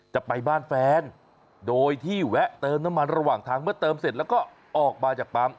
จะไปบ้านแฟนโดยที่แวะเติมน้ำมันระหว่างทางเมื่อเติมเสร็จแล้วก็ออกมาจากปั๊ม